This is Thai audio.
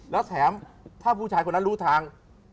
แล้วแถมถ้าผู้ชายคนนั้นรู้ทาง